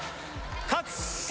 勝つ！